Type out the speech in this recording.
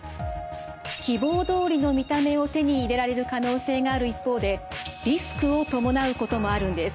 希望どおりの見た目を手に入れられる可能性がある一方でリスクを伴うこともあるんです。